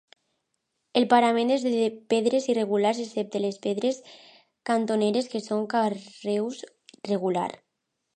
El parament és de pedres irregulars excepte les pedres cantoneres que són carreus regular.